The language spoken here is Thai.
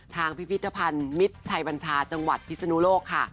พิพิธภัณฑ์มิตรชัยบัญชาจังหวัดพิศนุโลกค่ะ